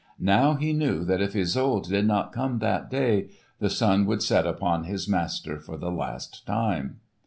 Now he knew that if Isolde did not come that day, the sun would set upon his master for the last time.